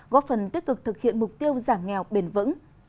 góp phần tích cực thực hiện mục tiêu giảm nghèo bền vững